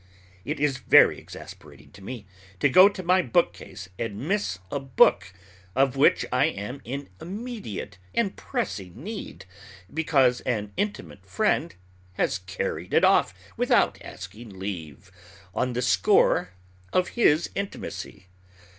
It is very exasperating to me to go to my bookcase and miss a book of which I am in immediate and pressing need, because an intimate friend has carried it off without asking leave, on the score of his intimacy.